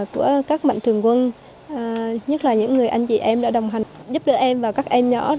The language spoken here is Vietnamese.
của các mạnh thường quân nhất là những người anh chị em đã đồng hành giúp đỡ em và các em nhỏ